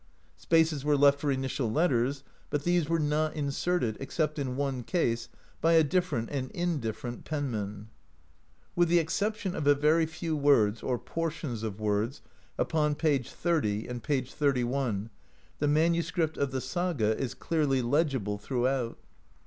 Spaces were left for initial letters, but these were not inserted, except in one case by a different and indifferent penman. With the exception of a very few words, or portions of words, upon page 30 [back] and page 31, the manuscript of the saga is clearly legible throughout.